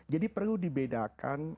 jadi perlu dibedakan